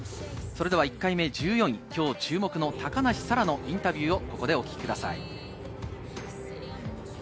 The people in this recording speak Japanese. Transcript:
１回目・１４位、今日注目の高梨沙羅のインタビューをお聞きください。